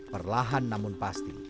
perlahan namun pasti